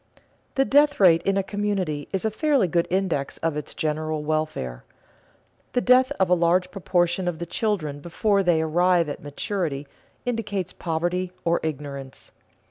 _ The death rate in a community is a fairly good index of its general welfare. The death of a large proportion of the children before they arrive at maturity indicates poverty or ignorance.